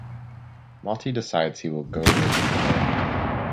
Motti decides he will go live with Laura.